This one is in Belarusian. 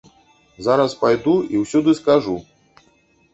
Зараз пайду і ўсюды скажу.